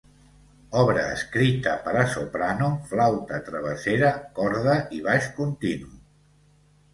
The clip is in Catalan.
Obra escrita per a soprano, flauta travessera, corda i baix continu.